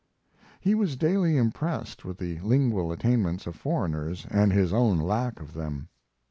He was daily impressed with the lingual attainments of foreigners and his own lack of them.